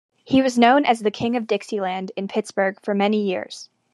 He was known as the "King of Dixieland" in Pittsburgh for many years.